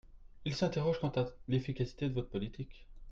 Ils s’interrogent quant à l’efficacité de votre politique.